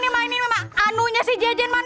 ma ini memang anunya si jejen ma